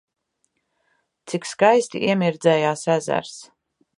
Cik skaisti iemirdzējās ezers!